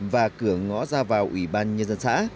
và cửa ngõ ra vào ủy ban nhân dân xã